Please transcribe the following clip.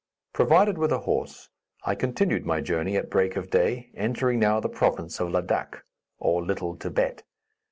Provided with a horse, I continued my journey at break of day, entering now the province of Ladak, or Little Thibet.